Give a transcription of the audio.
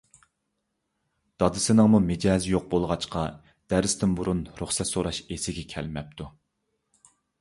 دادىسىنىڭمۇ مىجەزى يوق بولغاچقا، دەرستىن بۇرۇن رۇخسەت سوراش ئېسىگە كەلمەپتۇ.